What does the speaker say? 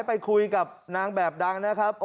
ไปคุยกับนางแบบดังนะครับ